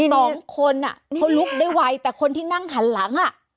๒คนเขาลุกได้ไวแต่คนที่นั่งหันหลัง